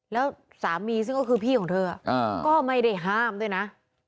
แล้วสามีซึ่งก็คือพี่ของเธอก็ไม่ได้ห้ามด้วยนะ